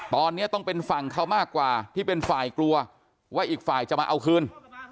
ตอนนี้ต้องเป็นฝั่งเขามากกว่าที่เป็นฝ่ายกลัวว่าอีกฝ่ายจะมาเอาคืน